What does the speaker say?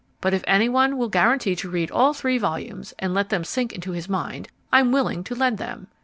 But if any one will guarantee to read all three volumes, and let them sink into his mind, I'm willing to lend them.